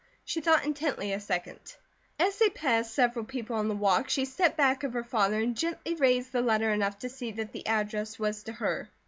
She thought intently a second. As they passed several people on the walk she stepped back of her father and gently raised the letter enough to see that the address was to her.